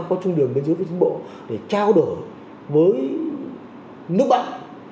có trung điểm bên dưới của chính bộ để trao đổi với nước bạn